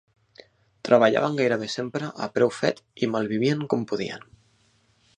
Treballaven gairebé sempre a preu fet i malvivien com podien.